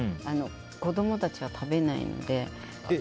子供達は食べないので。